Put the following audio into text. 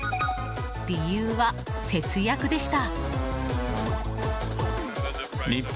理由は節約でした。